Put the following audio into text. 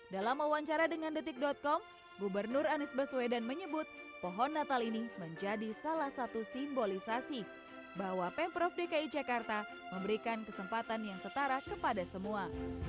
dalam wawancara dengan detik com gubernur anies baswedan menyebut pohon natal ini menjadi salah satu simbolisasi bahwa pemprov dki jakarta memberikan kesempatan yang setara kepada semua